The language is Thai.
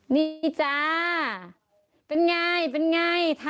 นี่จ้าเป็นไงเป็นไงท้าลมหนาวนะคะทุกคน